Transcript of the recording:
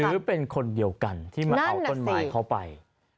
หรือเป็นคนเดียวกันที่มาเอาต้นไม้เขาไป